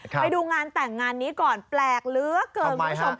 ไปดูงานแต่งงานนี้ก่อนแปลกเหลือเกินคุณผู้ชม